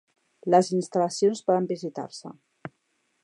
Les instal·lacions poden visitar-se.